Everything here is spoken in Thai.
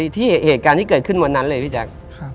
เหตุการณ์ที่เกิดขึ้นวันนั้นเลยพี่แจ๊ค